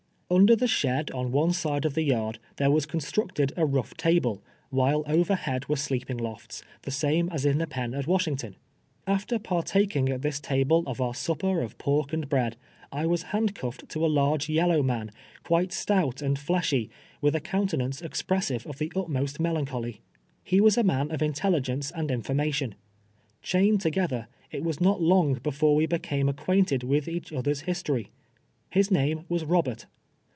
Under the shed on one side of the yard, there was constructed a rough tal»le, while overhead were sleep ing lofts — the same as in tlie pen at AVashington. Af ter partaking at this taljle of our supper of pork and bread, I was hand cuffed to a large yellow man, quite stout and fleshy, with a countenance expressive of the utmost melancholy. He was a man of intelli gence and information. Chained together, it was not long before we became acquainted with each other's history. His name was Eobert.